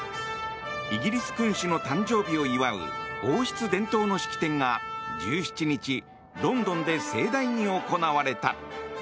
イギリス君主の誕生日を祝う王室伝統の式典が１７日、ロンドンで盛大に行われた。